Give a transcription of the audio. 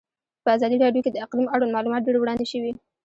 په ازادي راډیو کې د اقلیم اړوند معلومات ډېر وړاندې شوي.